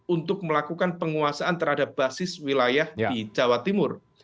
untuk melakukan penguasaan terhadap basis wilayah di jawa timur